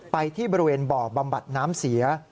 ไปที่บริเวณบ่อบำบัดน้ำเสีย